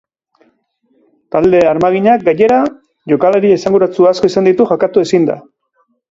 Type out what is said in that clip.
Talde armaginak, gainera, jokalari esanguratsu asko izango ditu jokatu ezinda.